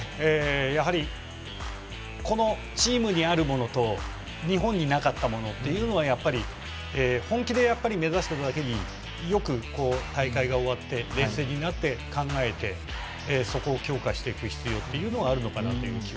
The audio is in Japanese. やはりこのチームにあるものと日本になかったものっていうのはやはり本気でやっぱり目指している時によく大会が終わって冷静になって考えてそこを強化していく必要というのはあるのかな